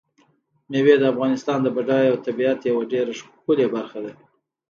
مېوې د افغانستان د بډایه طبیعت یوه ډېره ښکلې برخه ده.